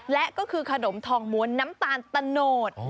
และก็คือขนมทองม้วนน้ำตาลตะโนด